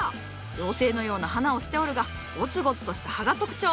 妖精のような花をしておるがゴツゴツとした葉が特徴！